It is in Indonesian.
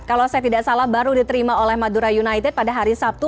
kalau saya tidak salah baru diterima oleh madura united pada hari sabtu